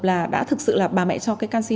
là đã thực sự là bà mẹ cho cái canxi